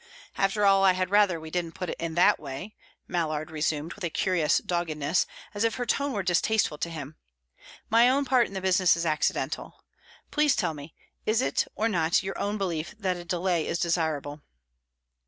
"After all, I had rather we didn't put it in that way," Mallard resumed, with a curious doggedness, as if her tone were distasteful to him. "My own part in the business is accidental. Please tell me: is it, or not, your own belief that a delay is desirable?"